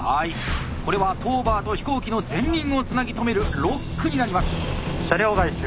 これはトーバーと飛行機の前輪をつなぎとめるロックになります。